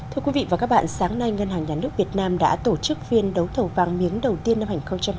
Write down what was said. thưa quý vị và các bạn sáng nay ngân hàng nhà nước việt nam đã tổ chức phiên đấu thầu vàng miếng đầu tiên năm hai nghìn hai mươi bốn